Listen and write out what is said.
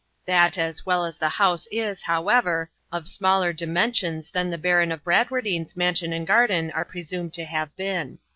That, as well as the house is, however, of smaller dimensions than the Baron of Bradwardine's mansion and garden are presumed to have been.